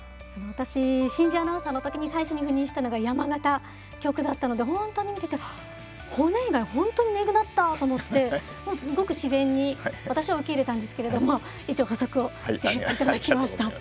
私新人アナウンサーの時に最初に赴任したのが山形局だったので本当に見てて骨以外本当にねぐなったと思ってごく自然に私は受け入れたんですけれども一応補足をしていただきました。